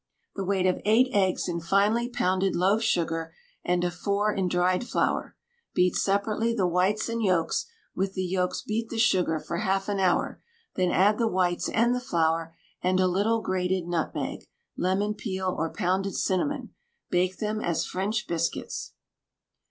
The weight of eight eggs in finely pounded loaf sugar, and of four in dried flour; beat separately the whites and yolks; with the yolks beat the sugar for half an hour; then add the whites and the flour, and a little grated nutmeg, lemon peel, or pounded cinnamon. Bake them as French biscuits.